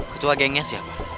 ketua gengnya siapa